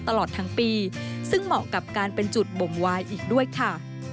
ตลอดทั้งปีซึ่งเหมาะกับการเป็นจุดบ่งวายอีกด้วยค่ะ